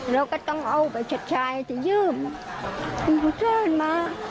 เราก็ต้องเอาไปชดชายที่ยืมคุณผู้เชิญมา